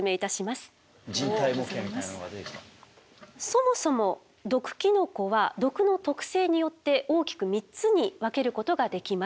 そもそも毒キノコは毒の特性によって大きく３つに分けることができます。